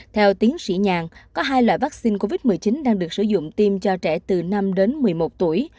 theo tiến sĩ nhàn có hai loại vaccine covid một mươi chín đang được sử dụng tiêm cho trẻ từ năm đến một mươi một tuổi